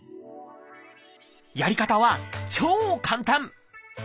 やり方は超簡単！